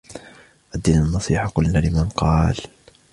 الدِّينُ النَّصِيحَةُ. قُلْنَا: لِمَنْ؟ قالَ: